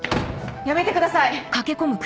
やめてください。